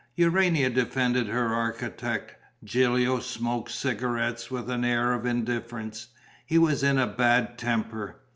Urania defended her architect. Gilio smoked cigarettes with an air of indifference; he was in a bad temper.